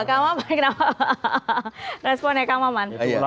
kamaman respon ya kamaman